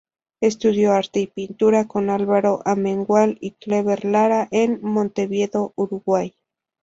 Estudió arte y pintura con Álvaro Amengual y Clever Lara, en Montevideo, Uruguay.